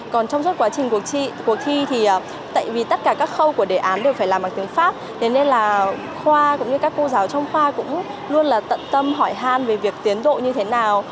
còn trong suốt quá trình cuộc trị cuộc thi thì tại vì tất cả các khâu của đề án đều phải làm bằng tiếng pháp thế nên là khoa cũng như các cô giáo trong khoa cũng luôn là tận tâm hỏi hàn về việc tiến độ như thế nào